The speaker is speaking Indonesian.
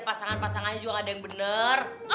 pasangan pasangannya juga gak ada yang benar